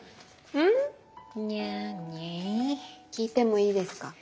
聞いてもいいですか？